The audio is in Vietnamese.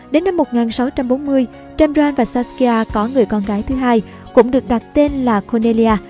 đến năm một nghìn sáu trăm bốn mươi champran và saskia có người con gái thứ hai cũng được đặt tên là konellia